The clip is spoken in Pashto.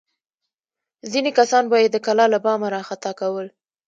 ځینې کسان به یې د کلا له بامه راخطا کول.